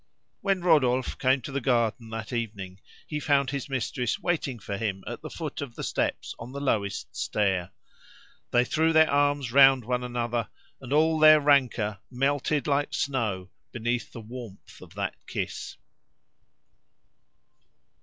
When Rodolphe came to the garden that evening, he found his mistress waiting for him at the foot of the steps on the lowest stair. They threw their arms round one another, and all their rancour melted like snow beneath the warmth of that kiss.